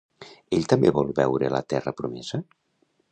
Ell també vol veure la terra promesa?